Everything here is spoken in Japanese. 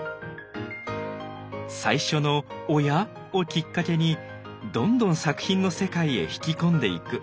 最初の「おや？」をきっかけにどんどん作品の世界へ引き込んでいく。